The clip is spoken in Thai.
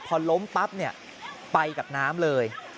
พอล้มปั๊บไปกับน้ำเลย